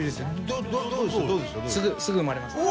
すぐ生まれました。